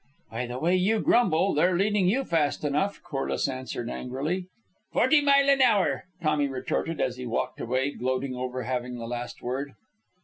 "By the way you grumble, they're leading you fast enough," Corliss answered angrily. "Forty mile an hour," Tommy retorted, as he walked away, gloating over having the last word.